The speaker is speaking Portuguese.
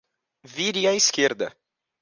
Vire à esquerda.